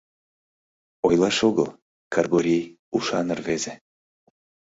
Ойлаш огыл, Кыргорий — ушан рвезе.